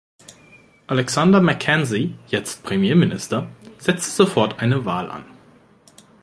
Alexander Mackenzie, jetzt Premierminister, setzte sofort eine Wahl an.